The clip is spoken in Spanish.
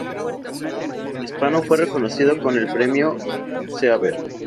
Spano fue reconocido con el premio Seaver.